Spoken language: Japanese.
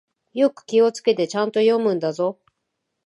よく気をつけて、ちゃんと読むんだぞ。